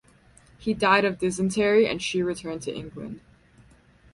He died of dysentery and she returned to England.